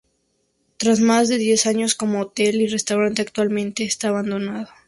Tras más de diez años como hotel y restaurante, actualmente está abandonado.